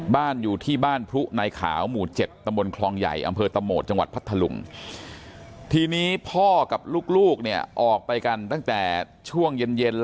บ้านอยู่ที่บ้านพลุนายขาวหมู่๗ตำบลคลองใหญ่อำเภอตะโมดจังหวัดพัทธรุง